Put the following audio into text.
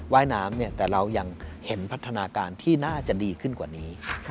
ว่ายน้ำแต่เรายังเห็นพัฒนาการที่น่าจะดีขึ้นกว่านี้